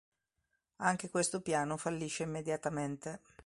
Anche questo piano fallisce immediatamente.